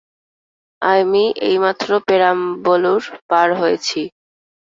আমি এইমাত্র পেরাম্বলুর পার হয়েছি।